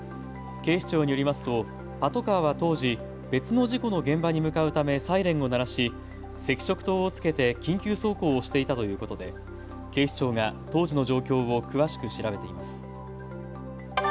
警視庁によりますとパトカーは当時、別の事故の現場に向かうためサイレンを鳴らし赤色灯をつけて緊急走行をしていたということで警視庁が当時の状況を詳しく調べています。